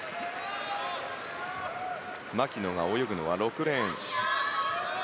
牧野が泳ぐのは６レーン。